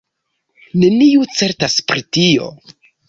Neniu certas pri tio.